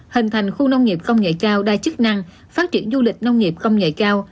hình thành khu nông nghiệp công nghệ cao đa chức năng phát triển du lịch nông nghiệp công nghệ cao